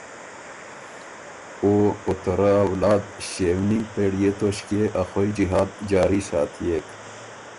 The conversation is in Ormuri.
او، او ته رۀ اولاد ݭیې ونیم پېړئے توݭکيې ا خوئ جهاد جاري ساتيېک۔